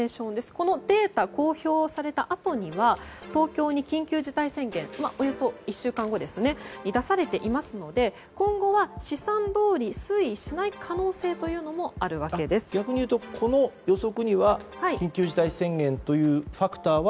このデータが公表されたあとには東京に緊急事態宣言がおよそ１週間後ですね出されているので今後は試算どおり推移しない可能性も逆にいうと、この予測には緊急事態宣言というファクターは。